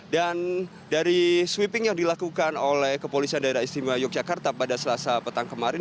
dan dari sweeping yang dilakukan oleh kepolisian daerah istimewa yogyakarta pada selasa petang kemarin